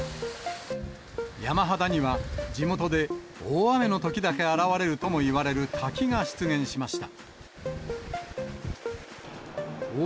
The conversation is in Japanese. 山肌には、地元で大雨のときだけ現れるともいわれる滝が出現しました。